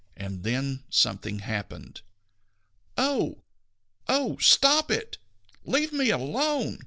And then something happened. "Oh! Oh! Stop it! Leave me alone!"